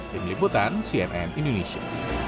tim liputan cnn indonesia